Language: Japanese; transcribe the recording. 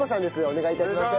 お願い致します。